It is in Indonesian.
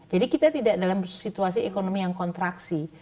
jadi kita tidak dalam situasi ekonomi yang kontraksi